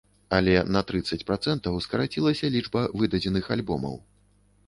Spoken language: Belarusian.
Але на трыццаць працэнтаў скарацілася лічба выдадзеных альбомаў.